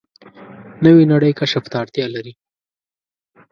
نوې نړۍ کشف ته اړتیا لري